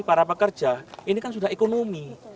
para pekerja ini kan sudah ekonomi